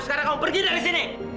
sekarang kamu pergi dari sini